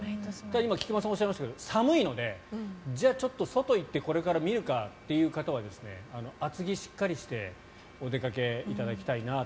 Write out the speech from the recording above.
今、菊間さんおっしゃいましたけど、寒いのでじゃあちょっと外に行ってこれから見るかという方は厚着をしっかりしてお出かけいただきたいなと。